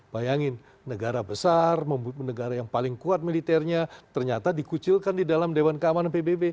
bayangin negara besar negara yang paling kuat militernya ternyata dikucilkan di dalam dewan keamanan pbb